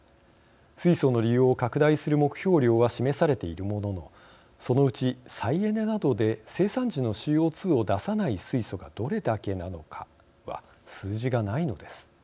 水素の利用を拡大する目標量は示されているもののそのうち再エネなどで生産時のＣＯ２を出さない水素がどれだけなのかは数字がないのです。